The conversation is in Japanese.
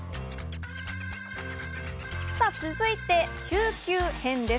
さぁ、続いて中級編です。